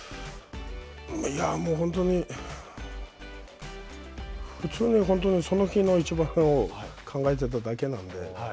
本当に普通にその日の一番を考えてただけなんで。